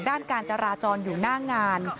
ด้านการจราจรอยู่หน้างาน